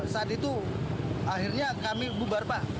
saat itu akhirnya kami bubar pak